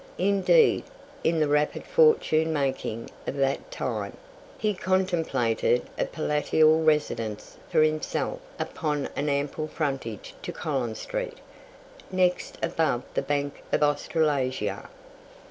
Indeed, in the rapid fortune making of that time, he contemplated a palatial residence for himself upon an ample frontage to Collins street, next above the Bank of Australasia.